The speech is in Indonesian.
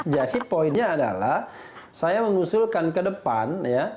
jadi poinnya adalah saya mengusulkan ke depan